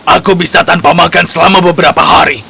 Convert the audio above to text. aku bisa tanpa makan selama beberapa hari